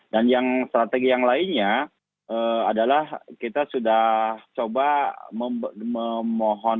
dan yang strategi yang lainnya adalah kita sudah coba memohon